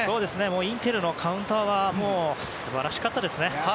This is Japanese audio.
インテルのカウンターは素晴らしかったですね。